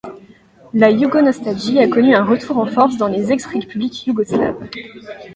La yougo-nostalgie a connu un retour en force dans les ex-républiques yougoslaves.